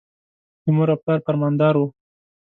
د مور او پلار فرمانبردار و.